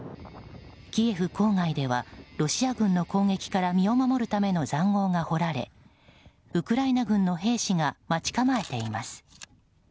キエフ郊外では、ロシア軍の攻撃から身を守るための塹壕が掘られウクライナ軍の兵士が待ち構えています。